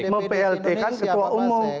memplt kan ketua umum